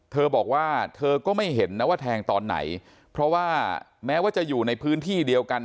เธอบอกว่าเธอก็ไม่เห็นนะว่าแทงตอนไหนเพราะว่าแม้ว่าจะอยู่ในพื้นที่เดียวกัน